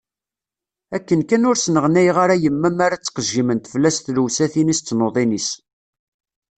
Akken kan ur sneɣnayeɣ ara yemma mi ara ttqejjiment fell-as tlewsatin-is d tnuḍin-is